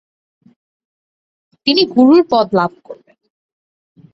তিনি গুরুর পদ লাভ করেন।